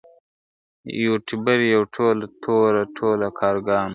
یو ټبر یو ټوله تور ټوله کارګان یو ,